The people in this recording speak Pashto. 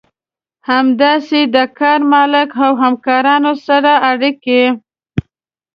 همداسې د کار مالک او همکارانو سره اړيکې.